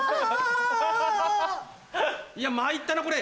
・いや参ったなこれ！